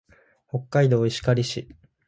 北海道石狩市